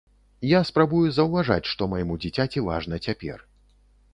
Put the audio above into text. Я спрабую заўважаць, што майму дзіцяці важна цяпер.